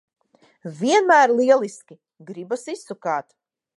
Vienmēr lieliski! Gribas izsukāt.